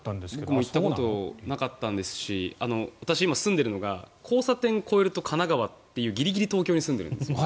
僕も行ったことなかったですし今、住んでいるのが交差点を超えると神奈川というギリギリ東京に住んでいるんです。